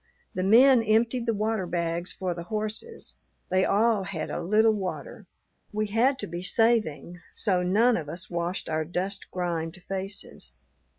The men emptied the water bags for the horses; they all had a little water. We had to be saving, so none of us washed our dust grimed faces.